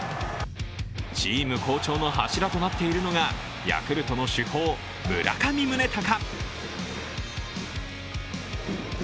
チーム好調の柱となっているのがヤクルトの主砲・村上宗隆。